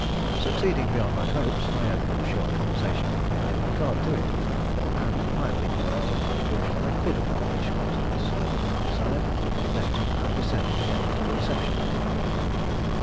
Succeeding beyond my hopes, I opened a short conversation with him in regard to it, and finally, coming to the conclusion I could accomplish what Miss Leavenworth desired, left him and descended again to the reception room.